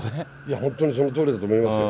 本当にそのとおりだと思います。